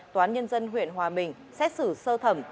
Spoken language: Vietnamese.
tòa án nhân dân huyện hòa bình xét xử sơ thẩm